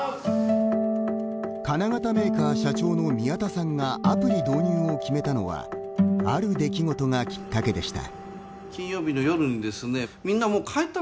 金型メーカー社長の宮田さんがアプリ導入を決めたのはある出来事がきっかけでした。